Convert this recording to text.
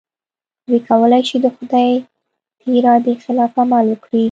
دوی کولای شي د خدای د ارادې خلاف عمل وکړي.